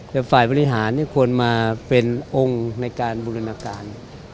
แต่ฝ่ายบริหารควรมาเป็นองค์ในการบูรณาการ